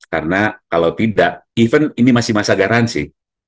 karena kalau tidak even ini masih masa garansi